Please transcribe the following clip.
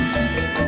gak ada apa apa